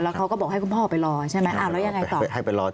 เขาก็บอกให้คุณพ่อไปรอใช่ไหมแล้วยังไงต่อไป